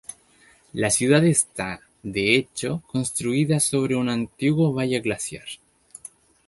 La ciudad está, de hecho, construida sobre un antiguo valle glaciar.